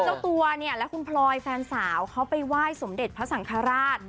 เจ้าตัวเนี่ยและคุณพลอยแฟนสาวเขาไปไหว้สมเด็จพระสังฆราช